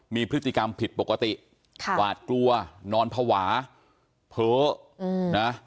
มีพฤติกรรมผิดปกติหวาดกลัวนอนภาวะเพ้อนะ